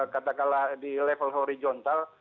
katakanlah di level horizontal